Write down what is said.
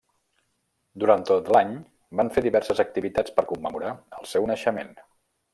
Durant tot l'any van fer diverses activitats per commemorar el seu naixement.